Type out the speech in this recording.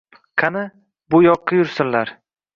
Qani, bu yoqqa yursinlar